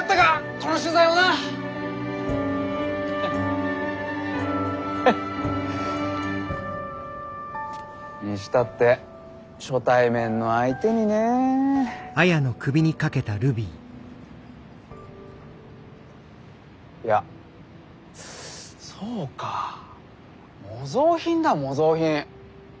この取材もな。にしたって初対面の相手にねえ。いやそうか模造品だ模造品。